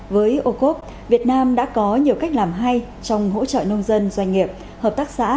với ô cốp việt nam đã có nhiều cách làm hay trong hỗ trợ nông dân doanh nghiệp hợp tác xã